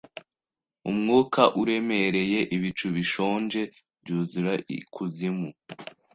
umwuka uremereye Ibicu bishonje byuzura ikuzimu